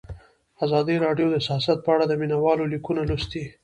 ازادي راډیو د سیاست په اړه د مینه والو لیکونه لوستي.